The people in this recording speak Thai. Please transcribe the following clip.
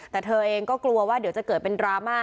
แต่เธอเองก็กลัวว่าเดี๋ยวจะเกิดเป็นดราม่า